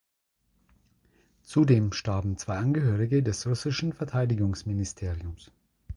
Zudem starben zwei Angehörige des russischen Verteidigungsministeriums.